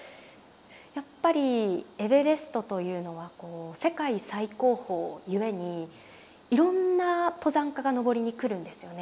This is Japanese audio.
やっぱりエベレストというのはこう世界最高峰ゆえにいろんな登山家が登りに来るんですよね。